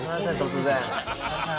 突然。